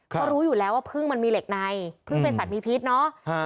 เขารู้อยู่แล้วว่าพึ่งมันมีเหล็กในพึ่งเป็นสัตว์มีพิษเนาะ